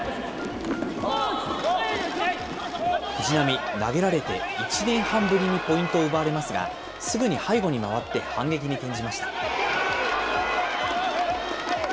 藤波、投げられて１年半ぶりにポイントを奪われますが、すぐに背後に回って反撃に転じました。